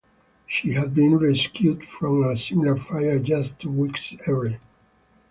She had been rescued from a similar fire just two weeks earlier.